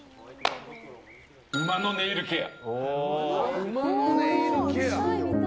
馬のネイルケア。